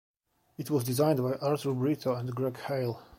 It was designed by Arthur Britto and Greg Hale.